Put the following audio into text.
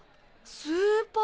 スーパー。